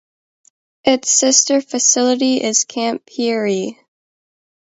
Its sister facility is Camp Peary.